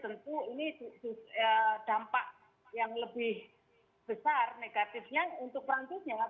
tentu ini dampak yang lebih besar negatifnya untuk perancisnya